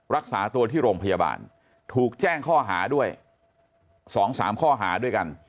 รักษาตัวที่โรงพยาบาลถูกแจ้งข้อหาด้วย๒๓ข้อหาด้วยกัน